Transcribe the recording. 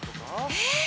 えっ？